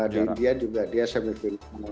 di india juga dia semifin